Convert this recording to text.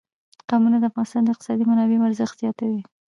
قومونه د افغانستان د اقتصادي منابعو ارزښت زیاتوي.